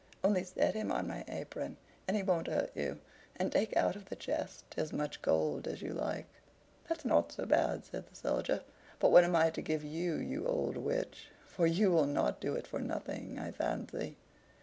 Only set him on my apron, and he won't hurt you; and take out of the chest as much gold as you like." "That's not so bad," said the Soldier. "But what am I to give you, you old Witch? for you will not do it for nothing, I fancy."